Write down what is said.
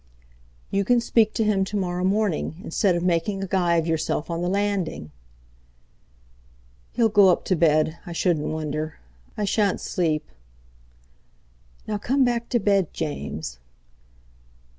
"You can speak to him to morrow morning, instead of making a guy of yourself on the landing." "He'll go up to bed, I shouldn't wonder. I shan't sleep." "Now come back to bed, James."